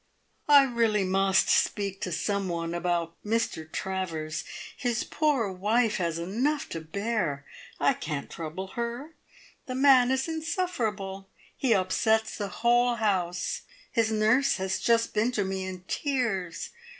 "I really must speak to some one about Mr Travers. His poor wife has enough to bear. I can't trouble her. The man is insufferable; he upsets the whole house. His nurse has just been to me in tears.